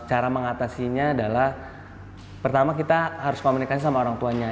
cara mengatasinya adalah pertama kita harus komunikasi sama orang tuanya